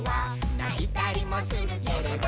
「ないたりもするけれど」